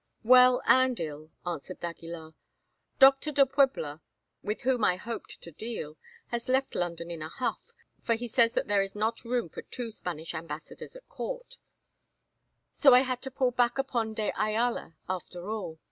"Well and ill," answered d'Aguilar. "Doctor de Puebla, with whom I hoped to deal, has left London in a huff, for he says that there is not room for two Spanish ambassadors at Court, so I had to fall back upon de Ayala after all.